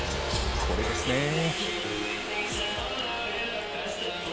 これですね。